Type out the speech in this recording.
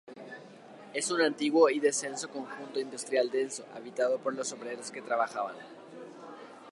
Es un antiguo y denso conjunto industrial denso habitado por los obreros que trabajaban.